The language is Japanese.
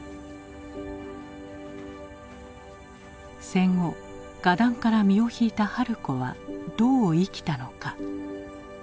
戦後画壇から身を引いた春子はどう生きたのか？